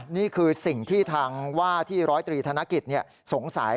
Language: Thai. นี่คือสิ่งที่ทางว่าที่ร้อยตรีธนกิจสงสัย